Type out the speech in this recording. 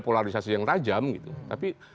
polarisasi yang tajam tapi